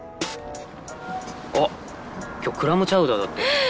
あっ今日クラムチャウダーだって。